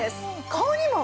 顔にも！？